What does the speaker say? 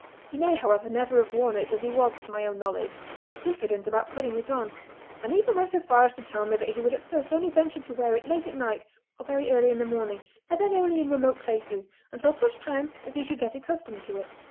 He may, however, never have worn it, as he was, to my own knowledge, diffident about putting it on, and even went so far as to tell me that he would at first only venture to wear it late at night or very early in the morning, and then only in remote places, until such time as he should get accustomed to it.